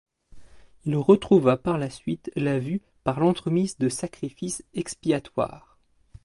Il retrouva par la suite la vue par l'entremise de sacrifices expiatoires.